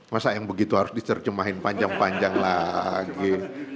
masa yang begitu harus diterjemahin panjang panjang lagi